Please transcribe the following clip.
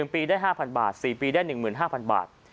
๑ปีได้๕๐๐บาท๔ปีได้๑๕๐๐บาท